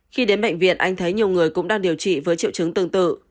khi đến bệnh viện anh thấy nhiều người cũng đang điều trị với triệu chứng tương tự